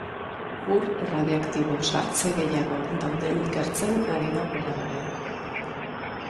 Ur erradiaktibo sartze gehiago dauden ikertzen ari da operadorea.